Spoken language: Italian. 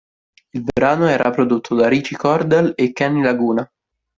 Il brano era prodotto da Richie Cordell e Kenny Laguna.